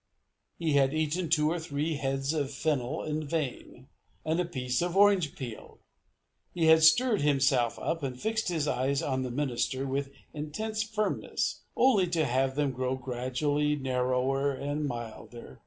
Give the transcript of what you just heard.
He had eaten two or three heads of fennel in vain, and a piece of orange peel. He had stirred himself up, and fixed his eyes on the minister with intense firmness, only to have them grow gradually narrower and milder.